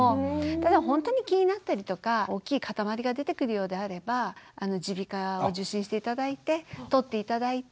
ただほんとに気になったりとか大きい塊が出てくるようであれば耳鼻科を受診して頂いて取って頂いて。